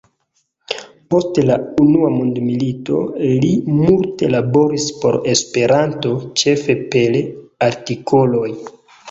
Post la Unua mondmilito li multe laboris por Esperanto, ĉefe per artikoloj.